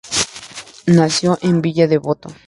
Nació en Villa Devoto.